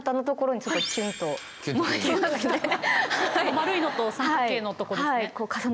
丸いのと三角形のとこですね。